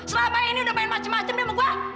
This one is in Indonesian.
selama ini udah main macem macem nih sama gua